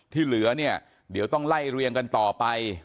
ที่เหลือเนี่ยเดี๋ยวต้องไล่เรียงกันต่อไป